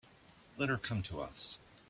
Let her come to us.